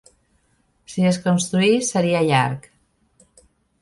Si es construís, seria llarg.